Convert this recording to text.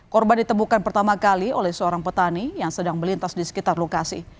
korban ditemukan pertama kali oleh seorang petani yang sedang melintas di sekitar lokasi